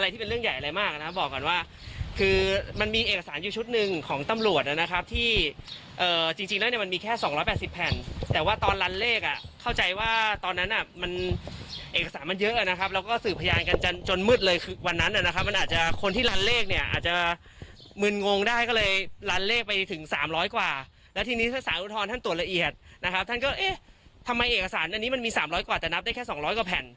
ทำไมเอกสารอันนี้มันมี๓๐๐กว่าแต่นับได้แค่๒๐๐กว่าแผ่น